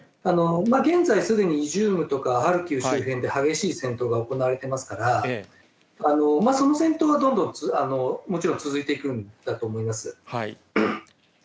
現在、すでにイジュームとかハルキウ周辺で激しい戦闘が行われてますから、その戦闘はもちろん続いていくんだと思います。